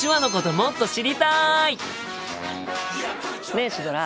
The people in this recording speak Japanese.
ねえシュドラ。